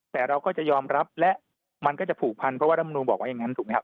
แต่เราก็จะยอมรับและมันก็จะผูกพันเพราะว่ารำนูลบอกว่าอย่างนั้นถูกไหมครับ